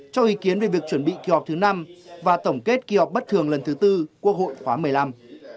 cho ý kiến về việc chuẩn bị kỳ họp thứ năm và tổng kết kỳ họp bất thường lần thứ tư quốc hội khóa một mươi năm